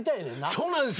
そうなんですよ。